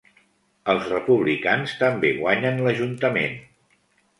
Els republicans també guanyen l'Ajuntament.